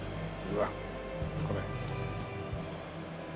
うわっこれ。